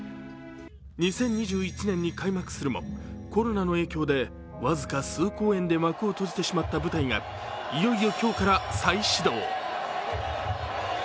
２０２１年に開幕するもコロナの影響で僅か数公演で幕を閉じてしまった舞台が、いよいよ今日から再始動。